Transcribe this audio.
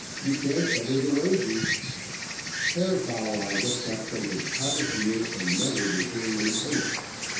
You can't better the wages." Herr Bawwah looked up from his pot of beer and muttered a German oath.